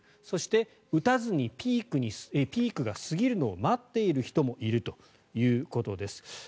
そして、打たずにピークが過ぎるのを待っている人もいるということです。